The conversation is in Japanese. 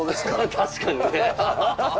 確かにね。